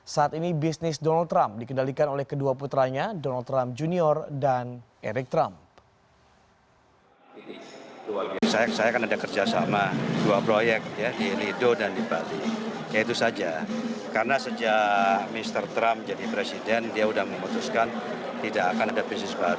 saat ini bisnis donald trump dikendalikan oleh kedua putranya donald trump junior dan eric trump